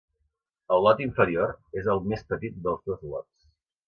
El lot inferior és el més petit dels dos lots.